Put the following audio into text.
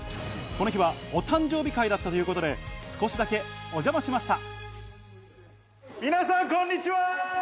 この日は誕生日会だったということで、少しだけお邪魔しました。